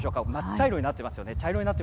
茶色になっていますよね。